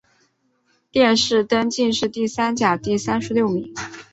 殿试登进士第三甲第三十六名。